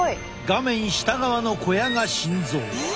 画面下側の小屋が心臓。